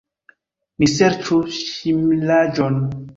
Ni serĉu ŝirmaĵon.